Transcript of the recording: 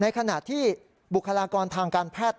ขณะที่บุคลากรทางการแพทย์